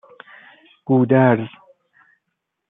گودرز